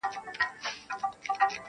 ځوانان بحث کوي په کوڅو تل,